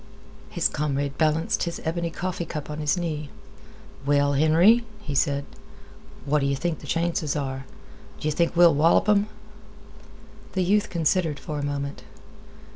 His comrade balanced his ebony coffee cup on his knee. "Well, Henry," he said, "what d'yeh think th' chances are? D'yeh think we'll wallop 'em?" The youth considered for a moment.